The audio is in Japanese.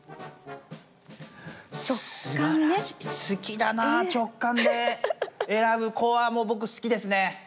すきだな直感でえらぶこはもうボクすきですね。